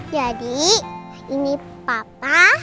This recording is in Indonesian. jadi ini papa